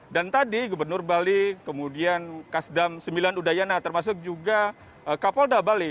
dan tadi gubernur bali kemudian kasdam sembilan udayana termasuk juga kapolda bali